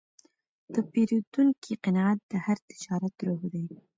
د پیرودونکي قناعت د هر تجارت روح دی.